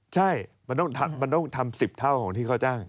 ใช่มันต้องทำ๑๐เท่าของที่เขาจ้าง